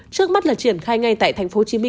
trước mắt là triển khai ngay tại tp hcm